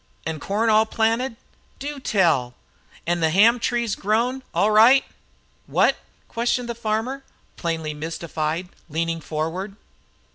An' corn all planted? Do tell! An' the ham trees grown' all right?" "Whet?" questioned the farmer, plainly mystified, leaning forward.